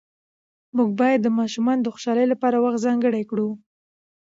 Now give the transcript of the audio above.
موږ باید د ماشومانو د خوشحالۍ لپاره وخت ځانګړی کړو